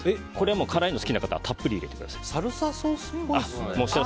辛いの好きな方はたっぷり入れてください。